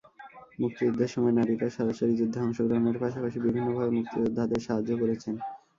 মুক্তিযুদ্ধের সময় নারীরা সরাসরি যুদ্ধে অংশগ্রহণের পাশাপাশি বিভিন্নভাবে মুক্তিযোদ্ধাদের সাহায্য করেছেন।